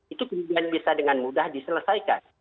itu kemudian bisa dengan mudah diselesaikan